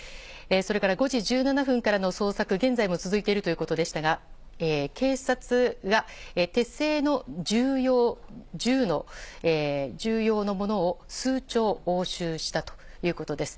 それから５時１７分からの捜索、現在も続いているということでしたが、警察が手製の銃様のものを数丁押収したということです。